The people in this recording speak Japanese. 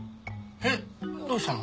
えっどうしたの？